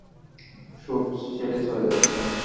Shoot ছেড়ে চলে যাচ্ছেন?